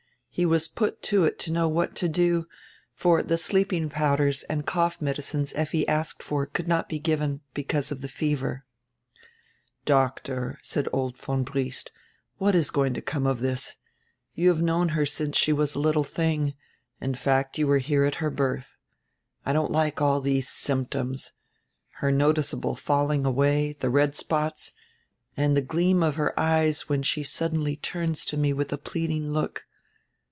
He was put to it to know what to do, for die sleeping powders and cough medicines Effi asked for could not be given, because of die fever. "Doctor," said old von Briest, "what is going to come of diis? You have known her since she was a little tiling, in fact you were here at her birth. I don't like all these symptoms: her noticeable falling away, the red spots, and die gleam of her eyes when she suddenly turns to me widi a pleading look.